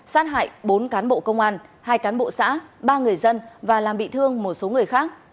sát hại bốn cán bộ công an hai cán bộ xã ba người dân và làm bị thương một số người khác